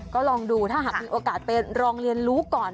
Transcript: ก็ลองดูถ้าหากมีโอกาสไปลองเรียนรู้ก่อน